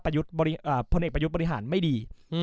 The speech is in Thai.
พลเอกประยุทธ์บริหารไม่ดี